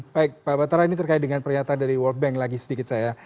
baik pak batara ini terkait dengan pernyataan dari world bank lagi sedikit saya